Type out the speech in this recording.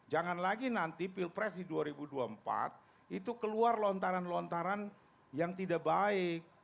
jangan lagi nanti pilpres di dua ribu dua puluh empat itu keluar lontaran lontaran yang tidak baik